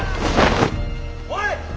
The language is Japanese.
おい！